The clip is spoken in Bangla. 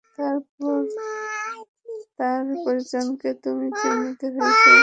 তারপর তার পরিজনদের তুমিই যিম্মাদার হয়ে যাও।